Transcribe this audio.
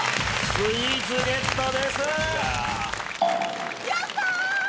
スイーツゲットですよっしゃ